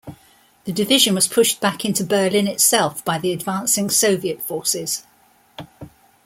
The division was pushed back into Berlin itself by the advancing Soviet forces.